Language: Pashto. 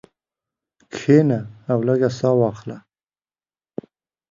کښېنه او لږه ساه واخله.